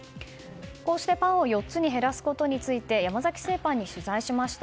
こうしてパンを４つに減らすことについて山崎製パンに取材しました。